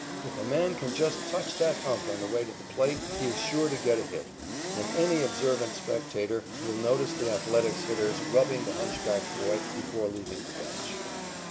If a man can just touch that hump on the way to the plate, he is sure to get a hit, and any observant spectator will notice the Athletics' hitters rubbing the hunchback boy before leaving the bench.